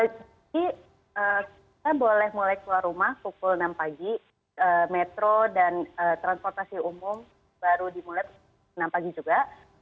kita boleh mulai keluar rumah pukul enam pagi metro dan transportasi umum baru dimulai enam pagi juga